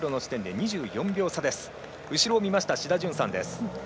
後ろを見ました志田淳さんです。